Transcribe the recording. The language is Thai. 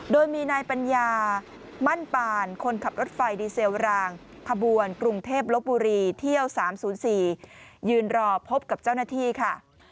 โดยมีนายปัญญามั่นปานคนขับรถไฟดีเซลรางขบวนกรุงเทพลบบุรีเที่ยว๓๐๔ยืนรอพบกับเจ้าหน้าที่ค่ะ